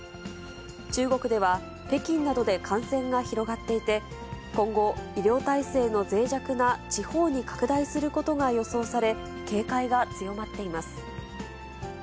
中国では、北京などで感染が広がっていて、今後、医療体制のぜい弱な地方に拡大することが予想され、警戒が強まっています。